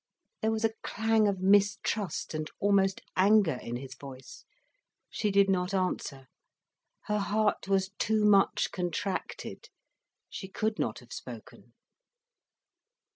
There was a clang of mistrust and almost anger in his voice. She did not answer. Her heart was too much contracted. She could not have spoken.